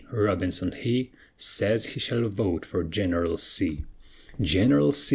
Robinson he Sez he shall vote fer Gineral C. Gineral C.